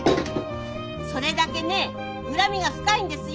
それだけね恨みが深いんですよ。